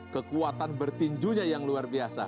kekuatan bertinjunya yang luar biasa